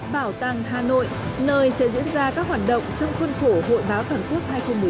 bảo tàng hà nội nơi sẽ diễn ra các hoạt động trong khuôn khổ hội báo toàn quốc hai nghìn một mươi chín